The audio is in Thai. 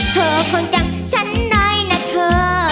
เธอคนจำฉันได้นะเธอ